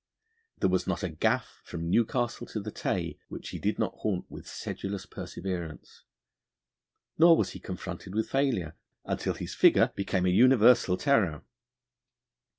There was not a gaff from Newcastle to the Tay which he did not haunt with sedulous perseverance; nor was he confronted with failure, until his figure became a universal terror.